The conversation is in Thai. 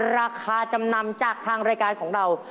ราคาจำนำจากทางรายการของเรา